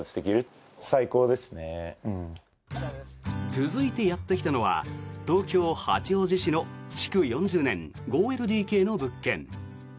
続いて、やってきたのは東京・八王子市の築４０年、５ＬＤＫの物件。